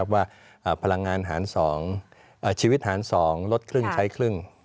ว่าชีวิตหารสองลดครึ่งใช้ครึ่ง